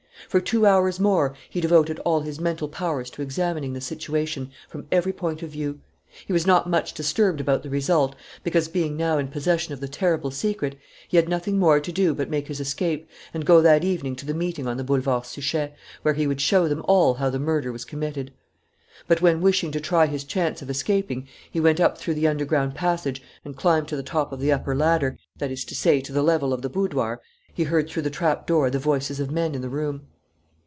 For two hours more he devoted all his mental powers to examining the situation from every point of view. He was not much disturbed about the result, because, being now in possession of the terrible secret, he had nothing more to do but make his escape and go that evening to the meeting on the Boulevard Suchet, where he would show them all how the murder was committed. But when, wishing to try his chance of escaping, he went up through the underground passage and climbed to the top of the upper ladder that is to say, to the level of the boudoir he heard through the trapdoor the voices of men in the room.